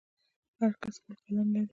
هر کس خپل قلم لري.